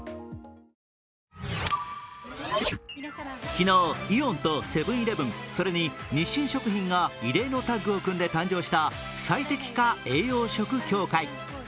昨日、イオンとセブン−イレブンそれに日清食品が、異例のタッグを組んで誕生した最適化栄養食協会。